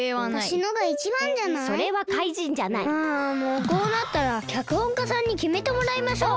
あもうこうなったらきゃくほんかさんにきめてもらいましょう。